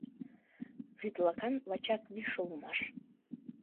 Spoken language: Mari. Вӱд лакан лачак виш улмаш.